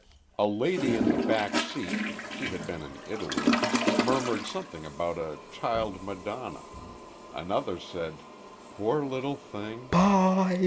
A lady in the back seat (she had been in Italy) murmured something about a "child Madonna." Another said, "Poor little thing!"